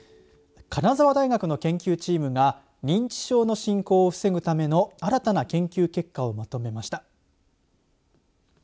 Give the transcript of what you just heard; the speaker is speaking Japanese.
金沢大学の研究チームが認知症の進行を防ぐための新たな研究結果をまとめました。